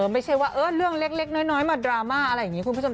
ไม่ใช่ว่าเรื่องเล็กน้อยมาดราม่าอะไรอย่างนี้คุณผู้ชม